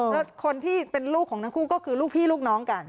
แล้วคนที่เป็นลูกของทั้งคู่ก็คือลูกพี่ลูกน้องกัน